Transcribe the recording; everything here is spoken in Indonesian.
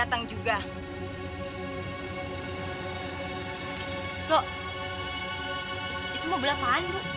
kan aku ke arahnya kamu